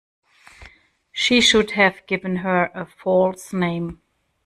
She should have given her a false name.